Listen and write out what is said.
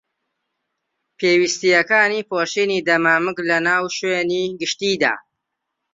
پێویستیەکانی پۆشینی دەمامک لەناو شوێنی گشتیدا